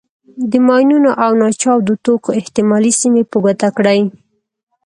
د ماینونو او ناچاودو توکو احتمالي سیمې په ګوته کړئ.